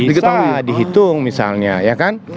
dihitung misalnya ya kan